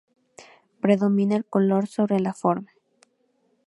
Predomina el color sobre la forma.